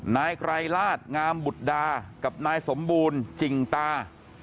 นายไกรลาศงามบุตรดากับนายสมบูรณ์จิ่งตา